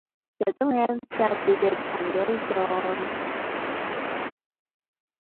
Sutherland started at Hamilton.